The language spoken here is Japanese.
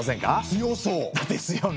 強そう！ですよね！